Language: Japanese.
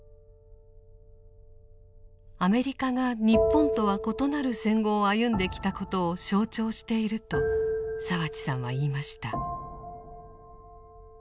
アメリカが日本とは異なる戦後を歩んできたことを象徴していると澤地さんは言いました。